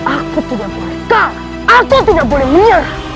aku tidak boleh kah aku tidak boleh menyerah